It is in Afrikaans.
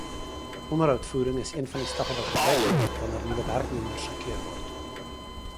Onderhoudvoering is een van die stappe wat gebruik word wanneer nuwe werknemers gekeur word.